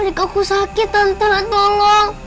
adik aku sakit tante tolong